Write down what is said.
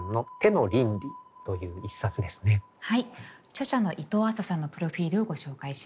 著者の伊藤亜紗さんのプロフィールをご紹介します。